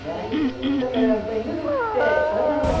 だからやっぱり緩くて体に優しい服っていう。